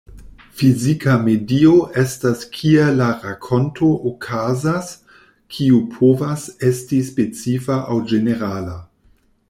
Fizika medio estas kie la rakonto okazas, kiu povas esti specifa aŭ ĝenerala.